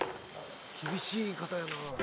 厳しい言い方やな。